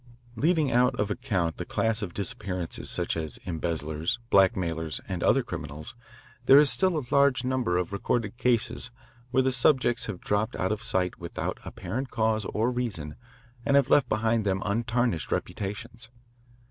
Leaving out of account the class of disappearances such as embezzlers, blackmailers, and other criminals, there is still a large number of recorded cases where the subjects have dropped out of sight without apparent cause or reason and have left behind them untarnished reputations.